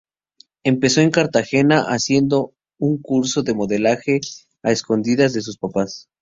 Empezó en Cartagena haciendo un curso de modelaje a escondidas de sus papás.